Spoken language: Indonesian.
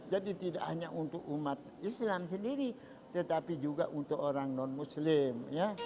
jadi tidak hanya untuk umat islam sendiri tetapi juga untuk orang non muslim